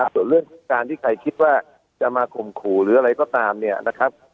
ส่วนเรื่องการที่ใครคิดว่าจะมาข่มขู่หรืออะไรก็ตามเนี่ยนะครับ